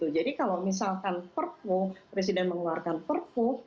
jadi kalau misalkan perpu presiden mengeluarkan perpu